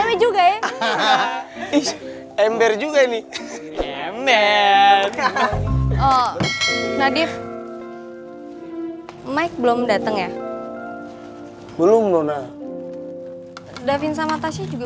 hahaha ish ember juga nih ember nadif mike belum datang ya belum nona da vin sama tasya juga